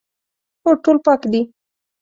هو، ټول پاک دي